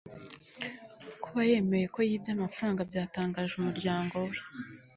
kuba yemeye ko yibye amafaranga byatangaje umuryango we